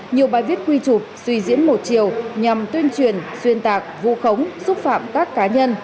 nhiều bài viết quy chụp suy diễn một chiều nhằm tuyên truyền xuyên tạc vu khống xúc phạm các cá nhân